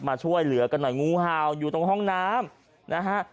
มาช่วยเหลือกันหน่อยงูเห่าอยู่ตรงห้องน้ำนะฮะ